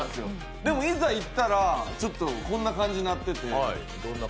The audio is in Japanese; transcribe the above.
でもいざ行ったら、こんな感じになってて。